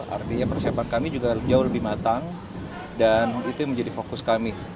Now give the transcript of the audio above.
artinya persiapan kami juga jauh lebih matang dan itu yang menjadi fokus kami